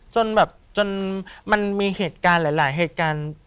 จนแบบจนมันมีเหตุการณ์หลายเหตุการณ์